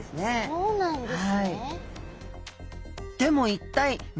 そうなんです。